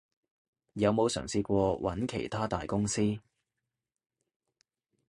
有冇嘗試過揾其它大公司？